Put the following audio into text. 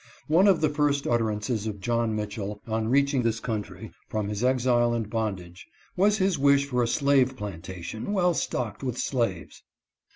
One of the first utterances of John Mitchell on reaching this country, from his exile and bondage, was a wish for a " slave plantation, well stocked with slaves."